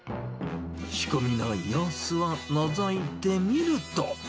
仕込みの様子をのぞいてみると。